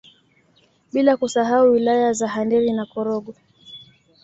Bila kusahau wilaya za Handeni na Korogwe